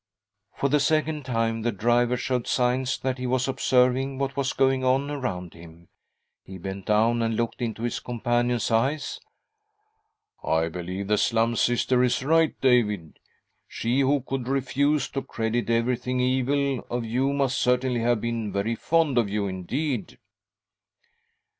For the second time the driver showed signs that he was observing what was going on around him. He bent down and looked into his companion's eyes. "I believe the Slum Sister is right, David. She who could refuse , to credit everything evil of you must certainly have been very fond of you indeed."